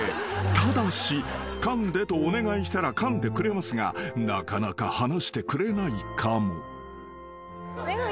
ただしかんでとお願いしたらかんでくれますがなかなか放してくれないかも］